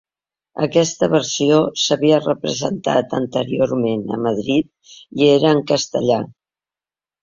Aquesta versió s'havia representat anteriorment a Madrid, i era en castellà.